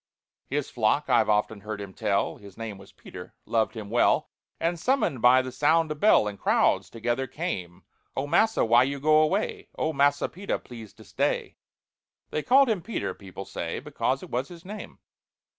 His flock, I've often heard him tell, (His name was PETER) loved him well, And, summoned by the sound of bell, In crowds together came. "Oh, massa, why you go away? Oh, MASSA PETER, please to stay." (They called him PETER, people say, Because it was his name.)